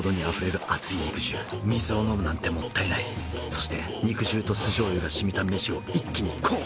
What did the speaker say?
そして肉汁と酢醤油がしみた飯を一気にこう！